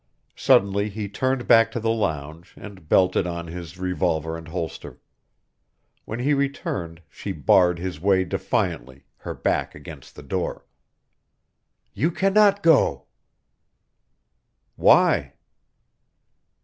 Suddenly he turned back to the lounge and belted on his revolver and holster. When he returned she barred his way defiantly, her back against the door. "You can not go!" "Why?"